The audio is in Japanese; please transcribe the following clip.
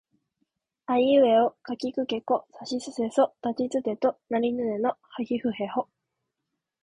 あいうえおかきくけこさしすせそたちつてとなにぬねのはひふへほ